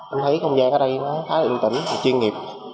anh thấy không gian ở đây nó khá là yên tĩnh chuyên nghiệp